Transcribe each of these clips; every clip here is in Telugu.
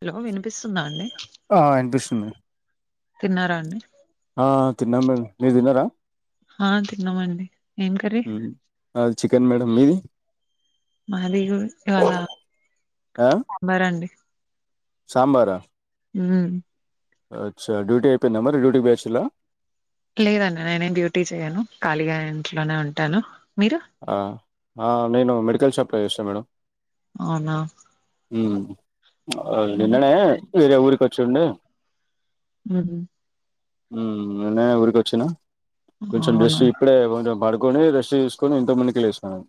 హలో వినిపిస్తుందా అండి ఆ ఇనిపిస్తుంది. తిన్నారా అండి ఆ తిన్నాం మేమ్ మీరు తిన్నారా. ఆ తిన్నామండి ఎమ్ కర్రీ. అది చికెన్ మేడం మీది. మాది గూ ఇవాళ సాంబరండి సాంబరా ఉహ్మ్మ్ అచ్చ డ్యూటీ అయిపోయిందా మరి డ్యూటీకి పొయ్యచ్చిల్లా లేదండి నేన్ ఎమ్ డ్యూటీ చేయను ఖాళీగా ఇంట్లోనే ఉంటాను. మీరు ఆ ఆ నేను మెడికల్ షాప్లో చేస్తా మేడం. అవున ఉహ్మ్ నిన్ననే వెరే ఊరికి వచ్చి ఉండె. ఉమ్మ్ ఉహ్మ్ నిన్ననే ఊరికొచ్చిన కొంచెం అవునా జెస్ట్ ఇప్పుడె కొంచెం పడుకొని రెస్ట్ తీస్ కొనీ ఇంతక ముందుకే లేసిన మ్యామ్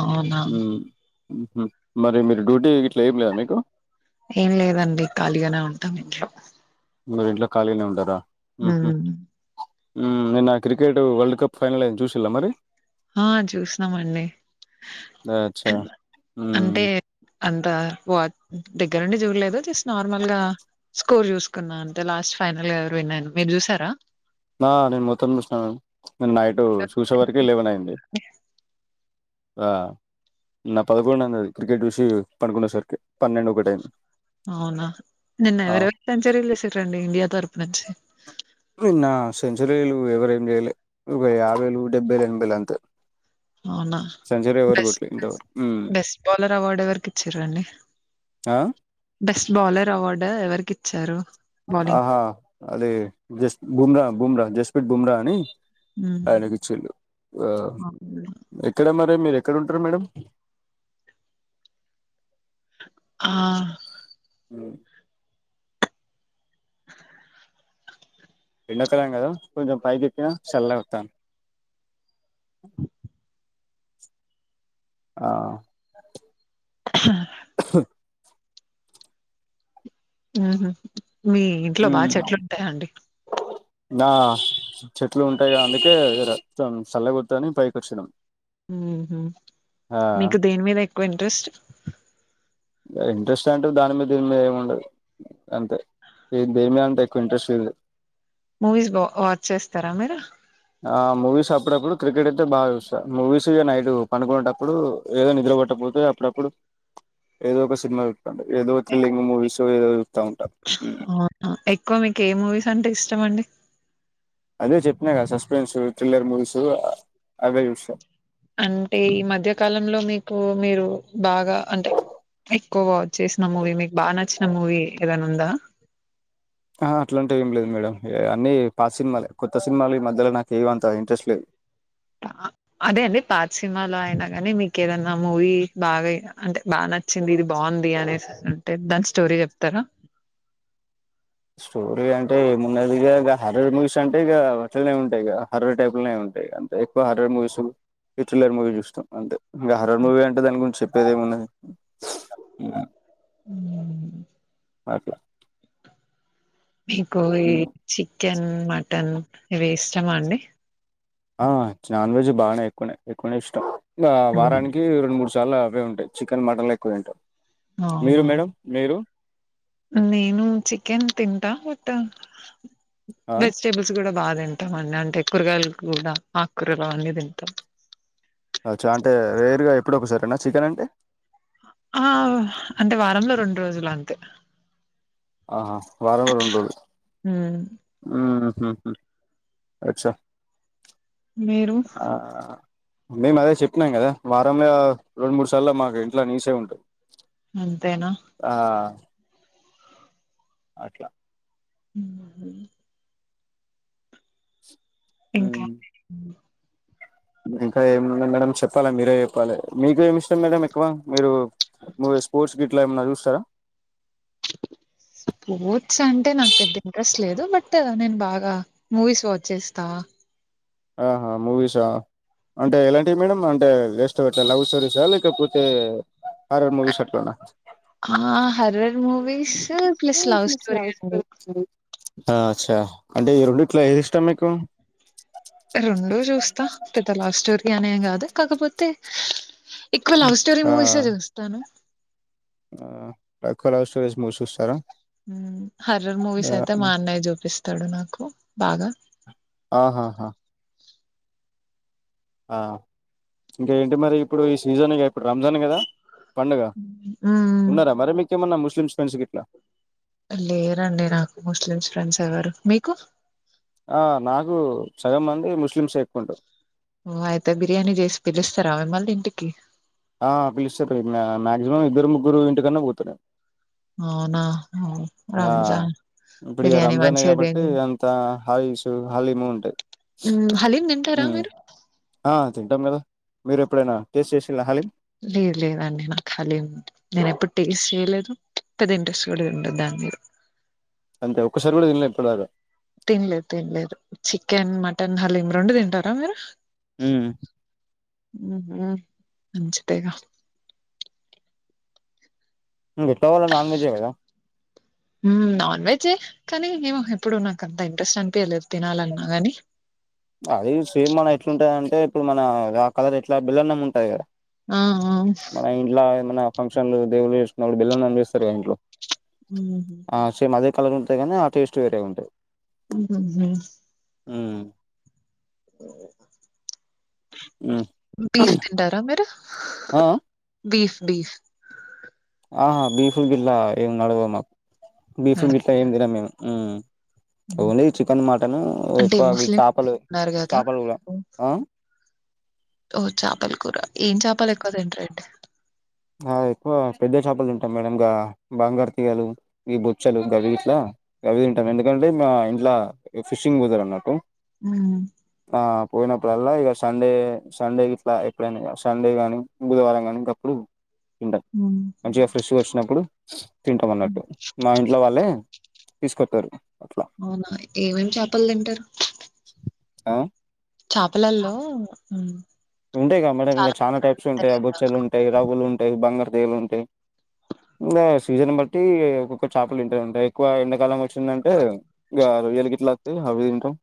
అవున హ్మ్ హు మరి మీరు డ్యూటీ గిట్ల ఎమ్ లేదా మీకు ఎం లేదండి ఖాళీగానే ఉంటాం ఇంట్లో. మీరు ఇంట్లో ఖాళీగానే ఉంటరా. ఉహ్మ్ ఉమ్ నిన్న క్రికెట్ వరల్డ్ కప్ ఫైనల్ అయింది చూసిల్ల మరి ఆ చూసినం అండి అచ్చా మ్మ్. అంటే అంతా వా దగ్గరు నుండి చూడలేదు జస్ట్ నార్మల్ గా స్కోర్ చూసుకున్నా అంటే లాస్ట్ ఫైనల్ గా ఎవరు విన్ అయినరు మీరు చూసారా ఆ నేను మొత్తం చూసినం మేం నేను నైటు చూసే వరకి లేవెన్ అయింది వా నిన్న పదకొండు అంది అది క్రికెట్ చూసి పండుకున్న సరికి పన్నెండు ఒకటి అయింది అవునా నిన్న ఆ ఎవరవరు సెంచరీలు సేసిరండి ఇండియా తరపు నుంచి నిన్న సెంచరీలు ఎవరెం చేయలే ఒక యాభైలు డెబ్బైలు ఎనభైలు అంతే అవునా సెంచరీ ఎవరు బెస్ట్ కొట్లే ఇంతవరకు మ్మ్ బెస్ట్ బౌలర్ అవార్డు ఎవరికి ఇచ్చిరండి ఆ బౌలర్ అవార్డ్ ఎవరికి ఇచ్చారు బౌలింగ్ ఆహా అది జస్ట్ బుమ్రా బుమ్ర జస్పిత్ బుమ్రా అని హ్మ్. ఆయనకిచ్చిల్లు ఆ అవునా. ఎక్కడ మరి మీరే క్కడ ఉంటారు మేడం ఆ ఉమ్ ఎండాకాలం కదా కొంచెం పైకి ఎక్కిన చల్లగత్తంది ఆ అహ్హ్ ఉహు మీ ఇంట్లో బా చెట్లుంటాయ అండి దా చెట్లు ఉంటాయి గా అందుకే రం చల్లగా వత్తదని పైకొచ్చినం ఉహు మీకు దేని మీద ఎక్కువ ఇంట్రెస్ట్ ఈగ ఇంట్రెస్ట్ అంటు దాని మీద దీని మీద ఎమ్ ఉండదు అంతే ఎమ్ దేని మీదంత ఎక్కువ ఇంట్రెస్ట్ లేదులే మూవీస్ బా ఓచ్ చేస్తారా మీరు ఆ మూవీస్ అప్పుడు అప్పుడు క్రికెట్ అయితే బాగా చూస్తా మూవీస్ ఈగ నైట్ పడుకునేటప్పుడు ఏదో నిదురా పోయేటప్పుడు పోతే అప్పుడ అప్పుడు ఏదో ఒక సినిమా సుత్తంట ఏదో ఎక్ థ్రిల్లింగ్ మూవీస్ ఏదో ఉంటా అవునా ఎక్కువ మీకు ఏ మూవీస్ అంటే ఇష్టం అండి అదే చెప్పినా కదా సస్పెన్సు థ్రిల్లర్ మూవీస్ అవ్వే చూస్తా అంటే ఈ మధ్య కాలంలో మీకు మీరు బాగా అంటే ఎక్కువ వాచ్ చేసిన మూవీ మీక బా నచ్చిన మూవీ ఏదన్న ఉందా ఆ అట్లాంటివి ఏం లేదు మేడం అన్నీ పాత సినిమాలే కొత్త సినిమాల ఈ మధ్యల నాకెమంత ఇంట్రెస్ట్ లేదు అదే అండి పాత్ సినిమాలో అయినా గానీ మీకెదన్నా మూవీ బాగా అయి అంటే బాగా న చ్చింది ఇది బాగుంది అనెస్ అంటే దన్ స్టోరీ చెప్తారా స్టోరీ అంటే ఏమున్నదిగా ఈగ హర్రర్ మూవీస్ అంటే ఇగా అట్లనే ఉంటాయి గదా హర్రర్ టైపుల్నే ఉంటాయి గంతే ఎక్కువ హార్రర్ మూవీసు థ్రిల్లర్ మూవీ చూస్తాం అంతే ఇగ ఈ హారర్ మూవీ అంటే దాని గురించి చెప్పేది ఏమున్నది ఉమ్ ఉమ్ అట్లా మీకు ఈ చికెన్ మటన్ ఇవి ఇష్టమా అండి ఆ నాన్ వెజ్ బాగానే ఎక్కువనే ఎక్కువనే గా హ్మ్. వారానికి రెండు మూడు సార్ల అవే ఉంటాయి చికెన్ మటన్లే ఎక్కువే తింటాం మీరు అవునా మేడం మీరు నేను చికెన్ తింటా బట్ ఆ వెజిటేబుల్స్ కూడా బాగా తింటాం అండి అంటే కూరగాయలు కూడా ఆకూరలు అన్నీ తింటాం అచ్చా అంటే రేర్గా ఎప్పుడో ఒకసారేనా చికెన్ అంటే ఆ అంటే వారంలో రెండు రోజులు అంతే ఆహా వారంలో రొండు రోజులు హ్మ్. ఉమ్ ఉహు అచ్చా మీరు మేము అదే చెప్పినాం కదా వారంలా రెండు మూడు సార్లు మాకు ఇంట్లా నీసే ఉంటాది. అంతేనా అట్లా. ఉమ్మ్ హు. ఇంకా. ఉమ్ ఇంకా ఏమున్నాయి మేడం చెప్పాలె మీరే చెప్పాలి. మీకు ఏమి ఇష్టం మేడం ఎక్కువ మీరు. మూవీస్ స్పోర్ట్స్ గిట్ల ఏమైనా చూస్తారా. స్పోర్ట్స్ అంటే నాకు పెద్ద ఇంట్రెస్ట్ లేదు బట్ నేను బాగా మూవీస్ వాచ్చేస్తా. ఆహ్ మూవీసా. అంటే ఎలాంటివి మేడం అంటే వేస్ట్ ఇట్లా లవ్ స్టోరీసా లేకపోతే. హర్రర్ మూవీస్ పెట్టుకొనా. ఆహ్ horror movies plus love story అండి. ఆహ్ అచ్చా అంటే ఈ రెండిట్లా ఏది ఇష్టాం మీకు. రెండు చూస్తా పెద్ద లవ్ స్టోరీ అనేం కాదు కాకపోతే. ఎక్కువ లవ్ స్టోరి మూవీసే చూస్తాను. ఆహ్ ఎక్కువ లవ్ స్టోరీస్ మూవీస్ చూస్తారా. హర్రర్ మూవీస్ అయితే మా అన్నయ్య జూపిస్తాడు నాకు బాగా. ఆహాహా ఆహ్ ఇంకా ఏంటి మరి ఇప్పుడు ఈ సీజన్గా ఇప్పుడు రంజాన్ కదా. పండగ మ్మ్ ఉన్నారా మరి మీకేమన్నా ముస్లిం ఫ్రెండ్స్ గిట్లా. లేరండి నాకు ముస్లిమ్స్ ఫ్రెండ్స్ ఎవరు మీకు. ఆహ్ నాకు సగం మంది ముస్లిమ్సే ఎక్కువుంటారు. అయితే బిర్యానీ చేసి పిలుస్తారా మిమ్మల్ని ఇంటికి. ఆహ్ పిలిస్తారు మాక్సిమం ఇద్దరు ముగ్గురు ఇంటికన్నా పోతా నేను. అవునా. ఓ ఆహ్ రంజాన్ ఇప్పుడు ఇగ బిర్యానీ రంజానే మంచిగా కాబట్టి తిను అంత హలీషూ హలీము ఉంటాయి. ఉమ్ హలీం తింటారా ఉమ్ మీరు. ఆ తింటాం కదా మీరు ఎప్పుడైనా టేస్ట్ చేసిండ్రా హాలీం. లేదు లేదండి నాకు హాలీమ్ నేను ఎప్పుడు టేస్ట్ చేయలేదు. పెద్ద ఇంట్రెస్ట్ కూడా ఉండదు దానిమీద. అంటే ఒక్కసారి కూడా తిన్లే ఇప్పటిదాకా. తినలేదు తినలేదు చికెన్ మటన్ హలీం రెండు తింటారా మీరు. ఉమ్. ఉమ్మ్ మంచిదేగా. ఇంట్లోవాళ్ళు నాన్వెజే కదా. ఉమ్ నాన్ వెజ్జే కానీ ఏమో ఎప్పుడు నాకంత ఇంట్రెస్ట్ అనిపియలేదు తినాలన్నా కానీ. అది సేమ్ మన ఎట్లుంటదంటే అంటే ఇప్పుడు మన ఆ కలర్ ఎట్లా బేల్లన్నం ఉంటాది కదా. ఆహ్ ఆహ్. ఇంట్లో మన ఫంక్షన్లు దేవుళ్లు చేసినప్పుడు బెల్లన్నం చేస్తారు కదా ఇంట్లో. ఉమ్. ఆ సేమ్ అదే కలర్ ఉంటది కానీ ఆ టేస్ట్ వేరేగుంటది. ఉహూ. ఉమ్. [inaudible] బీస్ తింటారా మీరు ఆ బీస్ బీస్. ఆహా బీప్ లు గిట్లా ఏం నడవవు మాకు బీఫ్లు గిట్లా ఏమి తినం మేము ఉమ్. ఓన్లీ చికెన్ మటన్ అంటే ఎక్కువ అవి ముస్లిం చేపలు ఉన్నారు కదా చేపలు కూడా ఆహ్. ఓం చాపలు కూర ఏం చేపలు ఎక్కువ తింటారెంటి. ఆహ్ ఎక్కువ పెద్ద చేపలు తింటాం మేడం గా బంగారు తీగలు ఈ బొచ్చలు గవి గిట్ల. అవి తింటాం ఎందుకంటే మా ఇంట్లా ఫిషింగ్ పోతారాన్నట్టు. ఉమ్. ఆహ్ పోయినప్పుడల్లా ఇగ సండే సండే గిట్లా ఎప్పుడైనా సండే గాని బుధవారం కానీ గప్పుడు. తింటం మంచిగా ఫ్రెష్ గా వచ్చినప్పుడు తింటాం అన్నట్టు మా ఇంట్లో వాళ్ళే తీసుకొత్తరు అవునా ఏమేం చాపలు తింటరు ఆ చాపలల్లో ఉమ్ ఉంటాయి గా మేడమ్ ఇంకా చాలా టైప్స్ ఉంటాయి గదా! బొచ్చలు ఉంటాయి రవులు ఉంటాయి బంగారు తీగలు ఉంటాయి ఇంగా సీజన్ బట్టి ఒక్కొక్క చాపలు వింటాయింట ఎక్కువ ఎండాకాలం వచ్చిందంటే ఇగా రొయ్యలు గిట్ల అత్తయి అవి తింటాం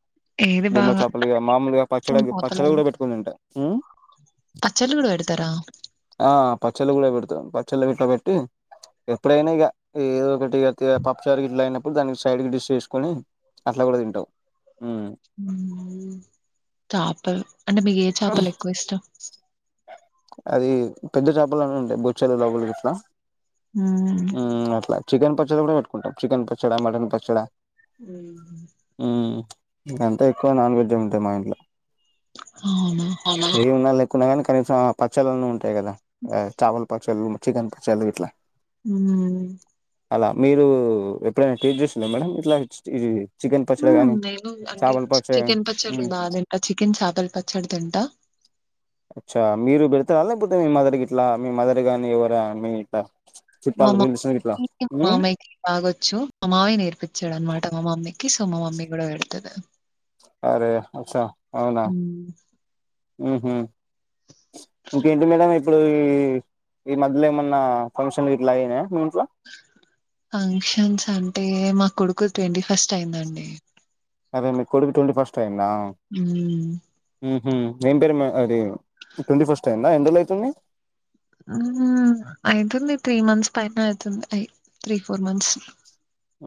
ఏది బొమ్మ బాగా అంటే చాపలుగా మామూలుగా పచ్చడ ఇష్టం గి పచ్చడ కూడా పెట్టుకోనిదింట ఉమ్ పచ్చలు కూడా వెడతార ఆ పచ్చళ్ళు కూడా పెడతం పచ్చళ్లు గిట్లా పెట్టి ఎప్పుడైనా ఇగ ఏదో ఒకటి తి పప్పుచారు గిట్లా అయినప్పుడు దానికి స్ సైడ్ కి డిష్ చేసుకొని అట్ల కూడా తింటామ్ ఉమ్మ్మ్ చాపల్ అంటే మీకు ఏ చాపలు ఎక్కువ ఇష్టం అది పెద్ద చాపలని ఉండాయి బొచ్చలు రవ్వలు గిట్లా హ్మ్. ఉమ్ అట్లా చికెన్ పచ్చడి కూడా పెట్టుకుంటాం చికెన్ పచ్చడా మటన్ పచ్చడ ఉహుం ఇంకా అంతే ఎక్కువ నాన్ వెజ్ ఉంటాయి మా ఇంట్ల అవునా? ఏం ఉన్నా లేకున్నా కాని కనీసం ఆ పచ్చళ్ళన్న ఉంటాయి కదా చాపల పచ్చళ్ళు చికెన్ పచ్చళ్లు గి ట్లా ఉమ్ అలా మీరు ఎప్పుడైనా టేస్ట్ చేసిండ్ల మేడం ఇట్లా ఇది చికెన్ పచ్చడి మ్ గాని నేను అంటే చాపల పచ్చడి గాని చికెన్ పచ్చడ్లు మ్మ్ బా తింటా చికెన్ చాపల పచ్చడ తింట అచ్చా మీరు పెడతార లేకపోతే మీ మదర్ గిట్లా మీ మదర్ గాని ఎవరా మీ ఇట్లా మా చుట్టాలు తెలిసిన గిట్లా మమ్మీకి మా మ్మ్ మామయ్యకి బాగొచ్చు మా మావయ్య నేర్పించాడు అనమాట మా మమ్మి సో మమ్మి కూడా పెడతది అరే అచ్చ ఉమ్ ఉహ్ ఇంకేంటి మేడం ఇప్పుడు ఈ ఈ మధ్యలో ఏమన్నా ఫంక్షన్లు గిట్ల అయినయా మీ ఇంట్లో ఫంక్షన్స్ అంటే మా కొడుకుది ట్వంటీ ఫస్ట్ అయిందండి అదే మీ కొడుకు ట్వంటీ ఫస్ట్ అయి ఉమ్ మ్ ఏం పేరు అది ట్వంటీ ఫస్ట్ అయిందా ఎండ్రోలు అయితుంది అ అయితుంది త్రీ మంత్స్ పైనే అయితుంది అయి త్రీ ఫోర్ మంత్స్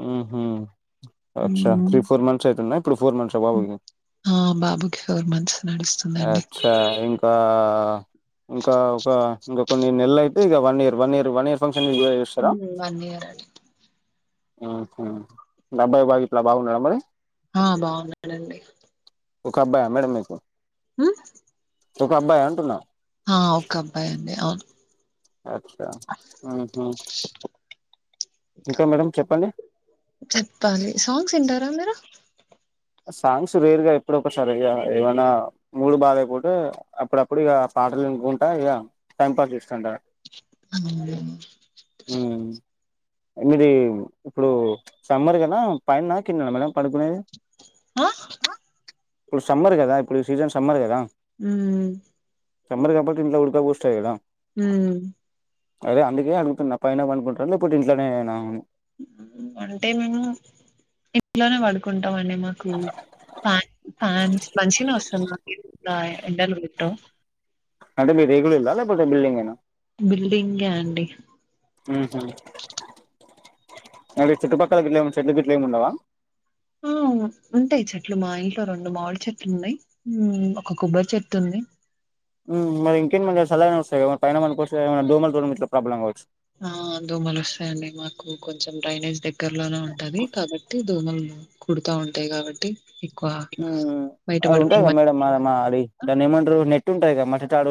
ఉహ్మ్ అచ్చా హ్మ్. త్రీ ఫోర్ మంత్స్ అయితుంద ఇప్పుడు ఫోర్ మంత్స్ అ బాబుకి ఆ బాబుకి ఫోర్ మంత్స్ నడుస్తుందండి అచ్చ ఇంకా అ ఇంకా ఒక ఇంకా కొన్నినెల అయితే ఇగ one year one year one year ఫంక్ష ఉమ్ వన్ ఇయర్ ఆడి ఆహా డబ్బాయి బాగిట్లా బాగున్నాడా మరి హా బాగున్నాడండి ఒక అబ్బాయా మేడమ్ మీకు మ్ ఒక అబ్బాయా అంటున్నా హా ఒక అబ్బాయి అండి అవును అచ్చా ఉహ్మ్ ఇంకా మేడం చెప్పండి చెప్పాలి సాంగ్స్ ఇంటారా మీరు సాంగ్స్ రేర్ గా ఎప్పుడొ ఒకసారి ఇగా ఏమైనా మూడ్ బాలేకపోతేే అప్పుడప్పుడు ఇగ పాటలు ఇనుకుంటా ఇగ టైం పాస్ చేస్తుంట ఆ ఉమ్ మీది ఇప్పుడు సమ్మర్ కద పైన నా కింద నా మేడం పడుకునేది ఆ ఇప్పుడు సమ్మర్ కదా ఇప్పుడు సీజన్ సమ్మర్ కదా హ్మ్ సమ్మర్ కాబట్టి ఇంట్లో ఉడ్క పొస్తదికదా హ్మ్ అదే అందుకే అడుగుతున్న పైన పండుకుంటర లేకపోతే ఇంట్లనేన అని అంటే మేము ఇంట్లోనే పడుకుంటాం అండి మాకు ఫాన్ ఫ్యాన్స్ మంచిగనే వస్తది మాకు ఎండలు కొట్టావ్ అంటే మీ రేకుల ఇళ్ల లేకపోతే బిల్డింగ్ ఏనా బిల్డింగ్ ఏ అండి మరి చుట్టుపక్కల గిట్ల చెట్లు గిట్లు ఏంముండవా ఆ ఉంటాయి చెట్లు మా ఇంట్లో రెండు మావిడి చెట్లు ఉన్నాయి ఉమ్ ఒక కొబ్బరి చెట్టు ఉంది ఉ మరి ఇకేంది మంచిగా సల్లగనే వస్తది కదా పైనపండుకోవచ్చు కద దోమలతో గిట్ల ప్రాబ్లమ్ కావచ్చు ఆ దొమలు వస్తాయండి మాకు కొంచెం డ్రైనేజ్ దగ్గర్లోనే ఉంటది కాబట్టి దొమలు కుడుతా ఉంటాయి కావట్టి హ్మ్ అది ఉంటాయి కద మేడం మ మారీ దాన్ని ఏమంటరు నెట్ ఉంటది గా మట్టి తాడు